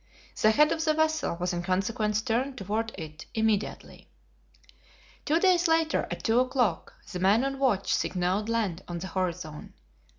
The head of the vessel was in consequence turned toward it immediately. Two days later, at two o'clock, the man on watch signaled land on the horizon.